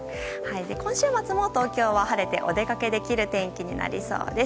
今週末も東京は晴れてお出かけできる天気になりそうです。